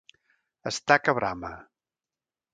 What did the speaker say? Estar que brama.